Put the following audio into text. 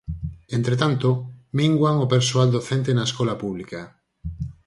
Entre tanto, minguan o persoal docente na escola pública.